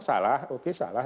salah oke salah